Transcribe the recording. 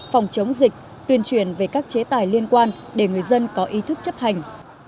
phòng chống dịch tuyên truyền về các chế tài liên quan để người dân có ý thức chấp hành